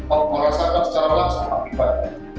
oh merasakan secara langsung akibat